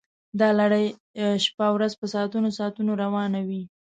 دا لړۍ شپه ورځ په ساعتونو ساعتونو روانه وي